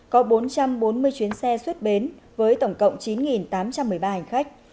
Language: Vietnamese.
có bốn trăm bốn mươi chuyến xe xuất bến với tổng cộng chín tám trăm một mươi ba hành khách